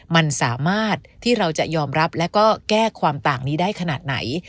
มันสามารถที่เราจะยอมรับและก็แก้ความต่างนี้ได้ขนาดไหน